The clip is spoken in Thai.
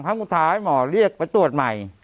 ครั้งสุดท้ายหมอเรียกไปตรวจใหม่